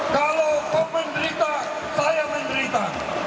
kalau kau menderita saya menderita